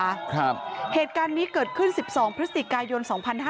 เหตุการณ์นี้เกิดขึ้น๑๒พฤศจิกายน๒๕๕๙